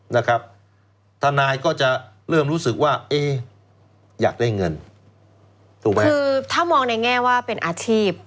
นะครับทนายก็จะเริ่มรู้สึกว่าเอ๊อยากได้เงินถูกไหมคือถ้ามองในแง่ว่าเป็นอาชีพ